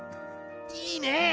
いいね！